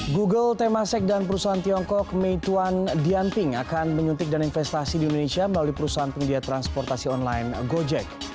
google temasek dan perusahaan tiongkok meituan dianping akan menyuntik dan investasi di indonesia melalui perusahaan penggiat transportasi online gojek